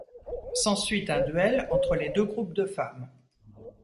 S'ensuit un duel entre les deux groupes de femmes.